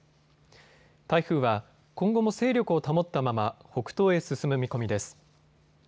台風は今後も勢力を保ったまま北東へ進む見込みです。